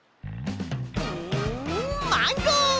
マンゴー！